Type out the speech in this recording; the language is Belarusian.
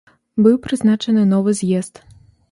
Быў прызначаны новы з'езд.